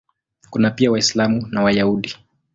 Kuna pia Waislamu na Wayahudi.